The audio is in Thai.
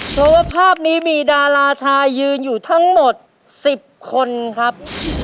เพราะว่าภาพนี้มีดาราชายยืนอยู่ทั้งหมด๑๐คนครับ